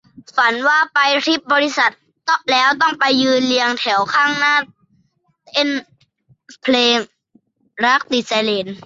ฝันว่าไปทริปบริษัท แล้วต้องไปยืนเรียงแถวข้างหน้าเต้นเพลงรักติดไซเรน